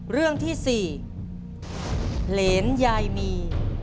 เรื่องที่๔เหรนยายมี